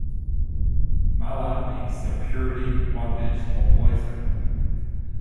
Mala means impurity, bondage or poison.